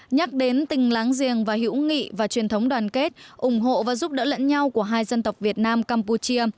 nhắc đến tình láng giềng và hữu nghị và truyền thống đoàn kết ủng hộ và giúp đỡ lẫn nhau của hai dân tộc việt nam campuchia